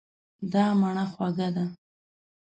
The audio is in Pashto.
دا مڼه خوږه ده.